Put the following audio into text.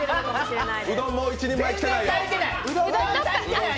うどんもう１人前来てないよ